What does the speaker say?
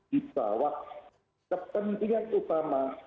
di bawah kepentingan utama